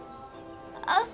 あ。